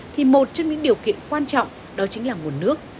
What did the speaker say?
thì một trong những điều kiện quan trọng đó chính là nguồn nước